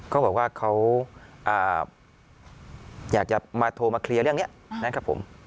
เขาบอกว่าเขาอยากจะมาโทรมาเคลียร์เรื่องนี้นะครับผม